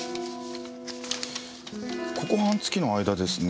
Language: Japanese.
ここ半月の間ですね。